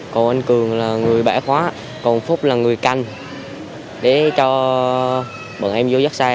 còn anh cường là người bẻ khóa còn phúc là người canh để cho bọn em vô giác xe